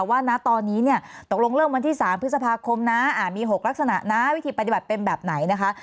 ว่านะตอนนี้เนี่ยตกลงเริ่มวันที่๓พฤษภาคมนะมี๖ลักษณะนะวิธีปฏิบัติเป็นแบบไหนนะคะ